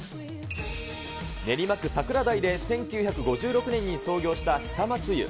練馬区桜台で１９５６年に創業した久松湯。